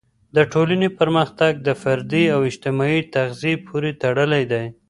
د ټولنې پرمختګ د فردي او اجتماعي تغذیې پورې تړلی دی.